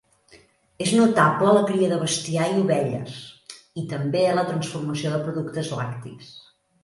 És notable la cria de bestiar i ovelles, i també la transformació de productes lactis.